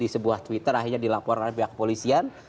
di sebuah twitter akhirnya dilapor oleh pihak kepolisian